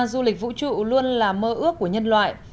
du lịch vũ trụ luôn là mơ ước của nhân loại